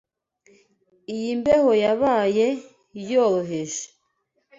Iyi mbeho yabaye yoroheje.